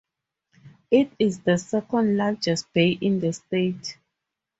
It is the second largest bay in the state.